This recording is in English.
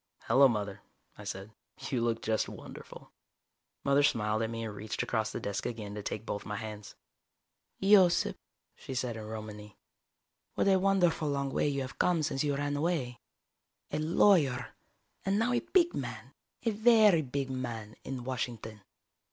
"Hello, Mother," I said. "You look just wonderful." Mother smiled at me and reached across the desk again to take both my hands. "Yosip," she said in Romany. "What a wonderful long way you have come since you ran away. A lawyer, and now a big man, a very big man, in Washington.